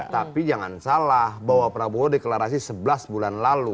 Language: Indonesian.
tapi jangan salah bahwa prabowo deklarasi sebelas bulan lalu